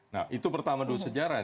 nah itu pertama dulu sejarah